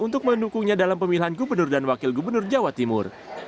untuk mendukungnya dalam pemilihan gubernur dan wakil gubernur jawa timur